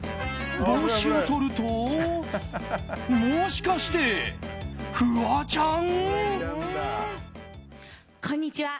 帽子をとるともしかして、フワちゃん？